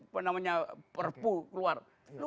apa namanya perpu keluar